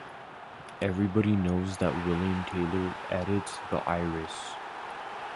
Everybody knows that William Taylor edits the Iris.